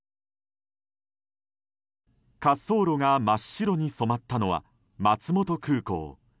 滑走路が真っ白に染まったのは松本空港。